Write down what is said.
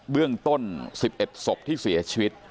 เรื่องต้น๑๑ศพที่เสียชีวิต